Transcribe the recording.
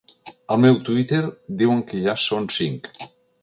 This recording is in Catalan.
Al meu Twitter diuen que ja són cinc.